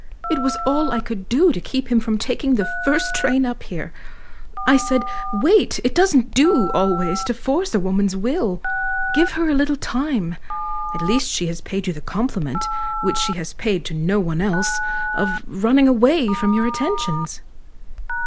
It was all I could do to keep him from taking the first train up here. I said Wait it doesn't do, always, to force a woman's will; give her a little time. At least she has paid you the compliment, which she has paid to no one else of running away from your attentions."